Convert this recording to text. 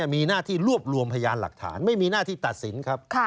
มีหน้าที่รวบรวมพยานหลักฐานไม่มีหน้าที่ตัดสินครับ